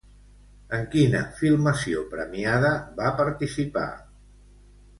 En quina filmació premiada va participar?